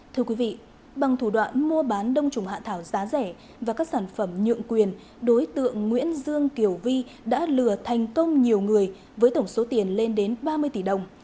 thưa quý vị bằng thủ đoạn mua bán đông trùng hạ thảo giá rẻ và các sản phẩm nhượng quyền đối tượng nguyễn dương kiều vi đã lừa thành công nhiều người với tổng số tiền lên đến ba mươi tỷ đồng